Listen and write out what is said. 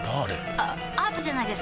あアートじゃないですか？